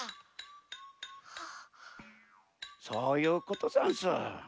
そういうことざんす。